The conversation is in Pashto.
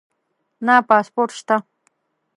نه پاسپورټ شته